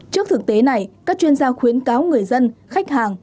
trước thực tế này các chuyên gia khuyến cáo người dân khách hàng